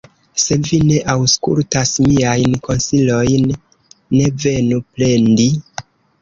Se vi ne aŭskultas miajn konsilojn, ne venu plendi.